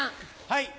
はい。